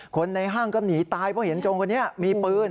คนในห้างก็หนีตายเพราะเห็นโจรคนนี้มีปืน